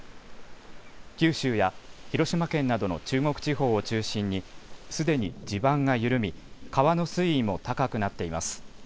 九州や広島県などの中国地方を中心に、すでに地盤が緩み川の水位も高くなっています。